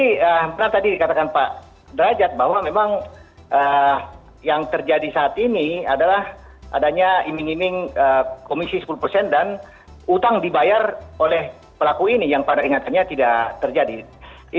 ini saya ingin mengajak bahwa memang yang terjadi saat ini adalah adanya iming iming komisi sepuluh dan utang dibayar oleh pelaku ini yang pada ingatannya tidak terjadi